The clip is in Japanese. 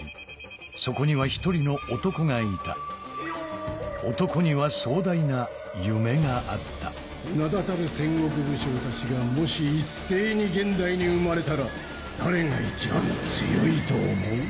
そこには１人の男がいた男には壮大な夢があった名だたる戦国武将たちがもし一斉に現代に生まれたら誰が一番強いと思う？